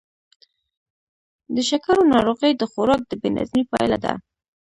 د شکرو ناروغي د خوراک د بې نظمۍ پایله ده.